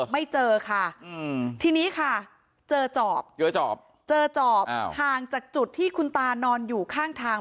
ไม่เจอค่ะทีนี้ค่ะเจอจอบเจอจอบเจอจอบห่างจากจุดที่คุณตานอนอยู่ข้างทาง